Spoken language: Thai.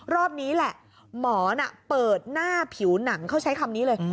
รอบนี้แหละหมอน่ะเปิดหน้าผิวหนังเขาใช้คำนี้เลย